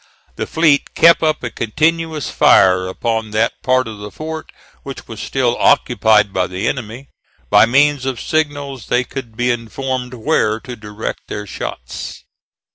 The fleet kept up a continuous fire upon that part of the fort which was still occupied by the enemy. By means of signals they could be informed where to direct their shots.